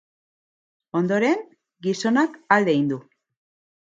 Ondoren, gizonak alde egin du.